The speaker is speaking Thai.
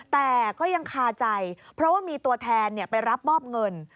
แต่ก็ยังคาใจเพราะว่ามีตัวแทนไปรับมอบเงิน